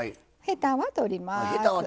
ヘタは取りますか。